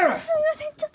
すみません。